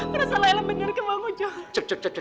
pernah salah lela bener ke bang ojo